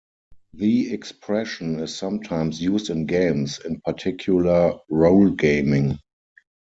The expression is sometimes used in games, in particular role gaming.